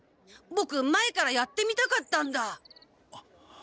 ボク前からやってみたかったんだ。